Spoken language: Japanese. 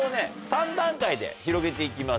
３段階で広げて行きます。